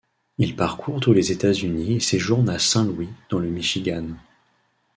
Il parcourt tous les États-Unis et séjourne à Saint Louis dans le Michigan.